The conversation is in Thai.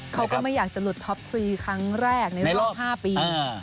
เขาก็ไม่อยากจะหลุดท็อปฟรีครั้งแรกในรอบ๕ปี